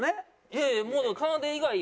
いやいやもう。